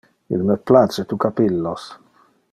Il me place tu capillos.